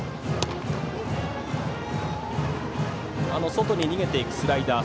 外に逃げていくスライダー